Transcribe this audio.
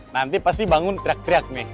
nanti pasti bangun teriak teriak nih